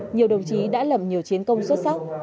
nhiều đồng chí đã lầm nhiều chiến công xuất sắc